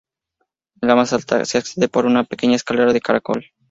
A la más alta se accede por una pequeña escalera de caracol.